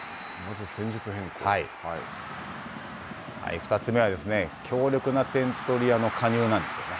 ２つ目は、強力な点取り屋の加入なんですよね。